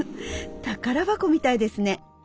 宝箱みたいですね。